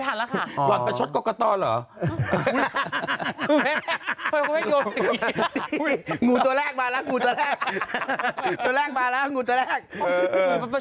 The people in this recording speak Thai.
แต่ส่วนใหญ่ควรทั้งประเทศ